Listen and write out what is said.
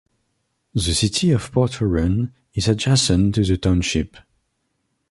The city of Port Huron is adjacent to the township.